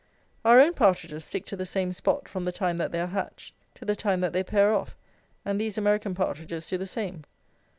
Our own partridges stick to the same spot from the time that they are hatched to the time that they pair off, and these American partridges do the same.